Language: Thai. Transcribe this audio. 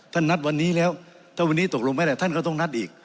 นัดวันนี้แล้วถ้าวันนี้ตกลงไม่ได้ท่านก็ต้องนัดอีก